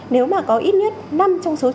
nếu mà có ít nhất năm trăm linh người trong game